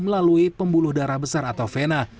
melalui pembuluh darah besar atau vena